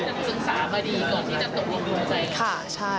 ซึ่งสามารถดีกว่าที่จะตกลงความใจ